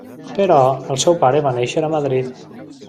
Però el seu pare va néixer a Madrid.